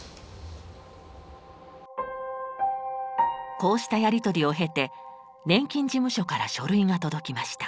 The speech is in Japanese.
こうしたやり取りを経て年金事務所から書類が届きました。